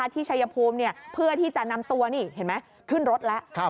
ชัยภูมิเพื่อที่จะนำตัวนี่เห็นไหมขึ้นรถแล้ว